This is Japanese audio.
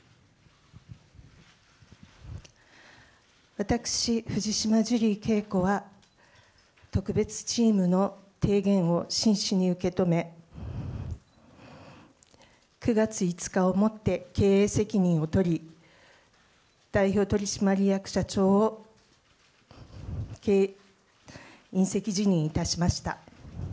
私、藤島ジュリー景子は、特別チームの提言を真摯に受け止め、９月５日をもって、経営責任を取り、代表取締役社長を引責辞任いたしました。